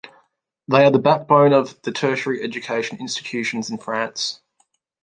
They are the backbone of the tertiary education institutions in France.